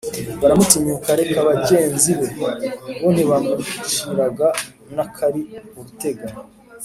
baramutinyuka: reka bagenzi be, bo ntibamuciraga n'akari urutega;